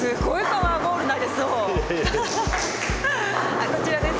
あっこちらです。